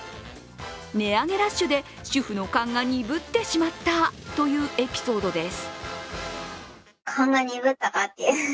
値上げラッシュで主婦の勘が鈍ったしまったというエピソードです。